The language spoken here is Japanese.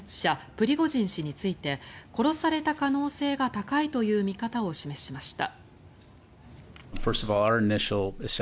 プリゴジン氏について殺された可能性が高いという見方を示しました。